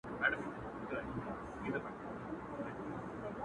هغه مئین خپل هر ناهیلي پل ته رنگ ورکوي ـ